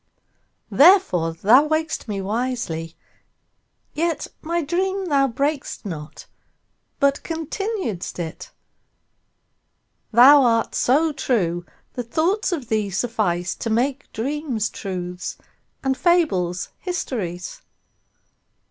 Therefore thou waked'st me wisely; yetMy dream thou brak'st not, but continued'st it:Thou art so true that thoughts of thee sufficeTo make dreams truths and fables histories.